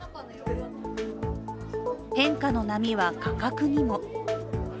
変化の波は価格にも。